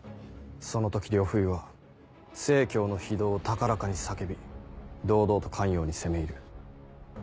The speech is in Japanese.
その時呂不韋は成の非道を高らかに叫び堂々と咸陽に攻め入る。